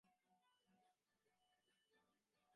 চাইলে তুমি এখনো সন্তান নিতে পার।